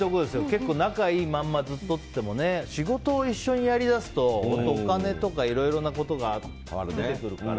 結構、仲がいいままずっとといっても仕事をやり始めるとお金とかいろいろなことが出てくるから。